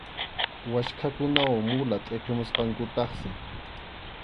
Waskhakunawan mula tʼiqimusqankutaqsi.